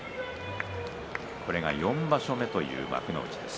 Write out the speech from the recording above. これが４場所目という幕内です